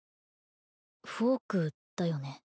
フォークだよね？